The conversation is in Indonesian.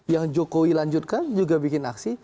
yang jokowi lanjutkan juga bikin aksi